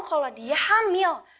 kalau dia hamil